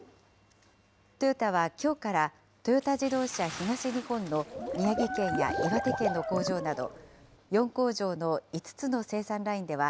トヨタはきょうから、トヨタ自動車東日本の宮城県や岩手県の工場など、４工場の５つの生産ラインでは、